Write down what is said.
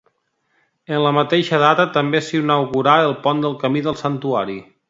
En la mateixa data també s'inaugurà el Pont del Camí del Santuari.